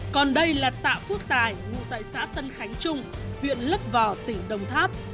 còn đây là tạ phước tài ngụ tại xã tân khánh trung huyện lấp vò tỉnh đồng tháp